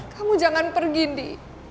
kamu jangan pergi ndi